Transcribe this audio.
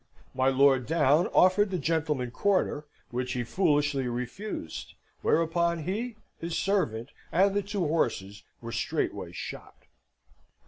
My Lord Downe offered the gentleman quarter, which he foolishly refused, whereupon he, his servant, and the two horses, were straightway shot.